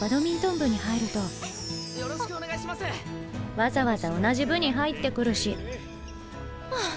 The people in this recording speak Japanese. わざわざ同じ部に入ってくるしハァ。